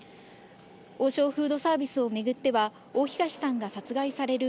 王将フードサービスを巡っては大東さんが殺害される